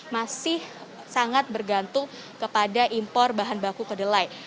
masih sangat bergantung kepada impor bahan baku kedelai